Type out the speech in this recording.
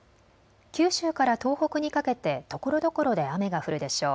九州から東北にかけてところどころで雨が降るでしょう。